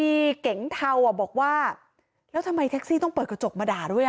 แต่แท็กซี่เขาก็บอกว่าแท็กซี่ควรจะถอยควรจะหลบหน่อยเพราะเก่งเทาเนี่ยเลยไปเต็มคันแล้ว